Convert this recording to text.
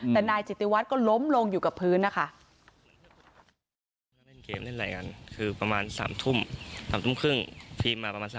แต่นายจิตติวัฒน์ก็ล้มลงอยู่กับพื้นนะคะ